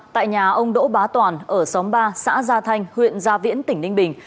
tại nhà ông đỗ bá toàn ở xóm ba xã gia thanh huyện gia viễn tỉnh ninh bình